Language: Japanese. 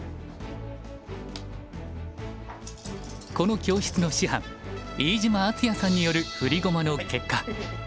この教室の師範飯島篤也さんによる振り駒の結果。